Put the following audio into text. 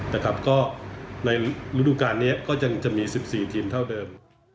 ก็ในฤดูการนี้ก็จะมี๑๔ทีมเท่าเดิม